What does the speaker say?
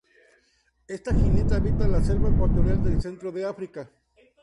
Esta jineta habita la selva ecuatorial del centro de África.